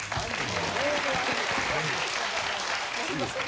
いいですか？